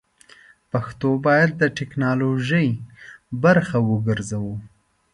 پښتو بايد د ټيکنالوژۍ برخه وګرځوو!